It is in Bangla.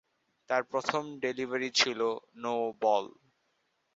তার প্রথম ডেলিভারি ছিল নো বল।